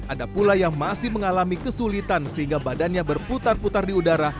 ada pula yang masih mengalami kesulitan sehingga badannya berputar putar di udara